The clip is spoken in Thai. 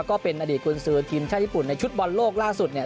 ก็เป็นอดีตกุญสือทีมชาติญี่ปุ่นในชุดบอลโลกล่าสุดเนี่ย